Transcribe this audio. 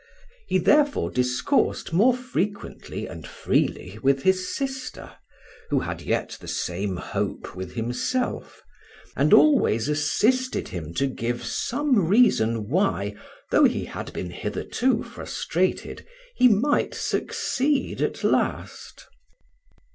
He therefore discoursed more frequently and freely with his sister, who had yet the same hope with himself, and always assisted him to give some reason why, though he had been hitherto frustrated, he might succeed at last.